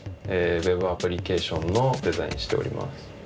ＷＥＢアプリケーションのデザインしております。